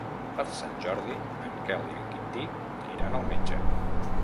Per Sant Jordi en Quel i en Quintí iran al metge.